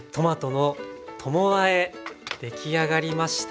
出来上がりました。